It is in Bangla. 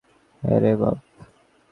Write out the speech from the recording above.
হ রে বাপ।